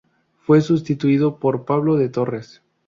Fue sustituido por Pablo de Torres.